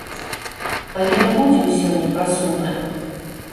Але не будзем сёння пра сумнае.